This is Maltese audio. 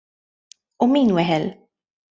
U min weħel?